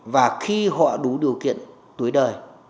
và khi họ đủ điều kiện tuổi đời